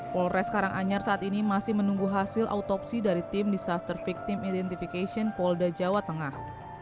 polres karanganyar saat ini masih menunggu hasil autopsi dari tim disaster victim identification polda jawa tengah